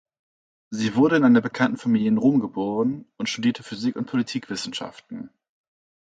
Sie wurde in einer bekannten Familie in Rom geboren und studierte Physik und Politikwissenschaften.